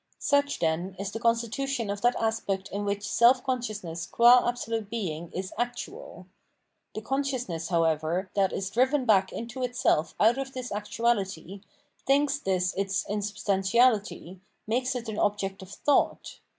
Such, then, is the constitution of that aspect in which self consciousness qua absolute being is actiuil. The consciousness, however, that is driven back into itself out of this actuahty, thinks this its insub stantiaUty, makes it an object of thought.